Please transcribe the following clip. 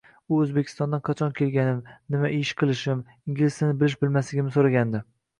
U Oʻzbekstondan qachon kelganim, nima ish qilishim, ingliz tilini bilish-bilmasligimni soʻragadi.